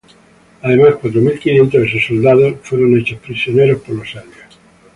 Además cuatro mil quinientos de sus soldados fueron hechos prisioneros por los serbios.